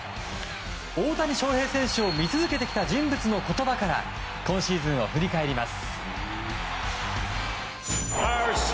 大谷翔平選手を見続けてきた人物の言葉から今シーズンを振り返ります。